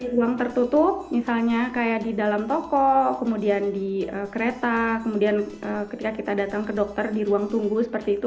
di ruang tertutup misalnya kayak di dalam toko kemudian di kereta kemudian ketika kita datang ke dokter di ruang tunggu seperti itu